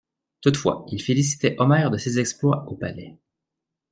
Toutefois il félicitait Omer de ses exploits au Palais.